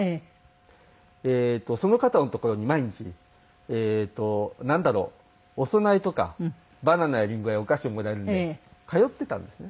その方の所に毎日えっとなんだろうお供えとかバナナやリンゴやお菓子をもらえるんで通ってたんですね。